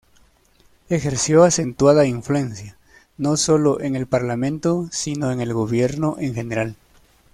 Ejerció acentuada influencia, no solo en el parlamento, sino en el gobierno en general.